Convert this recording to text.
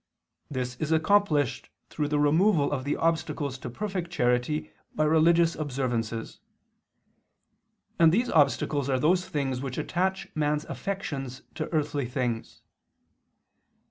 This is accomplished through the removal of the obstacles to perfect charity by religious observances; and these obstacles are those things which attach man's affections to earthly things.